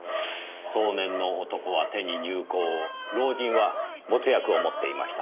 壮年の男は手に乳香を老人は没薬を持っていました。